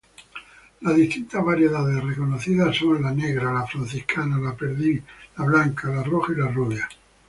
Las distintas variedades reconocidas son la negra, franciscana, perdiz, blanca, roja y rubia.